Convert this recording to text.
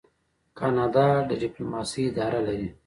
کاناډا د ډیپلوماسۍ اداره لري.